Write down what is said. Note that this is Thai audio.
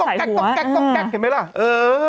เห็นไหมล่ะเออ